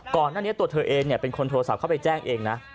ก่อนนั้นนี้ตัวเธอเองเนี่ยเป็นคนโทรสาวเข้าไปแจ้งเองนะ